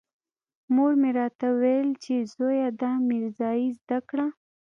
مور مې راته ويل چې زويه دا ميرزايي زده کړه.